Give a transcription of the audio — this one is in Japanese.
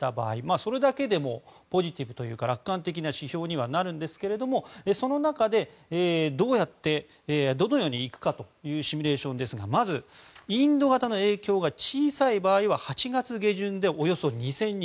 それだけでもポジティブというか楽観的な指標になりますがその中で、どのようにいくかというシミュレーションですがまず、インド型の影響が小さい場合は８月下旬で、およそ２０００人。